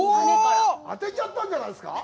当たっちゃったんじゃないですか？